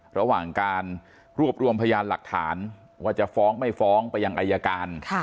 ระหว่างการรวบรวมพยานหลักฐานว่าจะฟ้องไม่ฟ้องไปยังอายการ